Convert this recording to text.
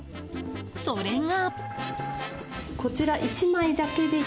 それが。